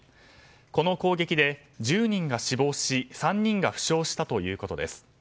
この攻撃で１０人が死亡し３人が負傷したということです。